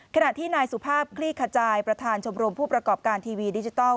ขณะที่นายสุภาพคลี่ขจายประธานชมรมผู้ประกอบการทีวีดิจิทัล